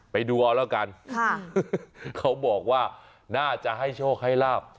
ไปดูเอาแล้วกันเขาบอกว่าน่าจะให้โชคให้ลาบ